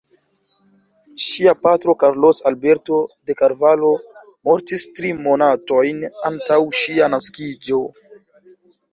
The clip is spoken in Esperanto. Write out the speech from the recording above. Ŝia patro Carlos Alberto de Carvalho mortis tri monatojn antaŭ ŝia naskiĝo.